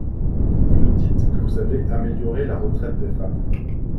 Vous nous dites que vous allez améliorer la retraite des femmes.